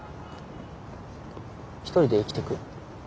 一人で生きてく？